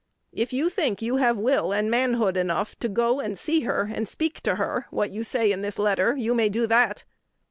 If you think you have will and manhood enough to go and see her, and speak to her what you say in that letter, you may do that."